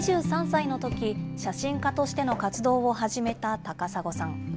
２３歳のとき、写真家としての活動を始めた高砂さん。